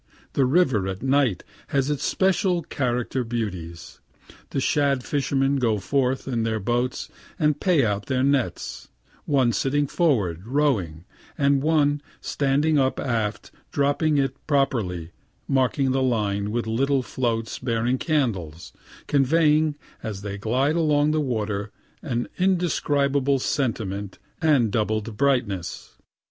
The river at night has its special character beauties. The shad fishermen go forth in their boats and pay out their nets one sitting forward, rowing, and one standing up aft dropping it properly marking the line with little floats bearing candles, conveying, as they glide over the water, an indescribable sentiment and doubled brightness.